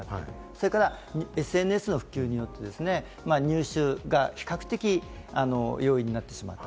それからＳＮＳの普及によって入手が比較的、容易になってしまった。